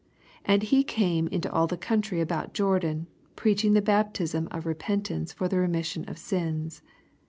8 And he came into all the country about Jordan, preaching the baptism of repentance for the remission of sins.